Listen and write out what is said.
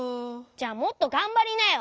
じゃあもっとがんばりなよ。